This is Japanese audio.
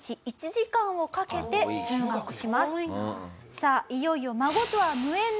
さあいよいよ。